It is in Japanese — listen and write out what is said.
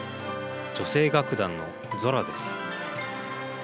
女性楽団の「ゾラ」です。